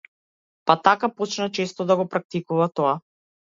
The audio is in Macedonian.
Па така почна често да го практикува тоа.